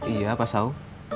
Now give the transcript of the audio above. iya pak sau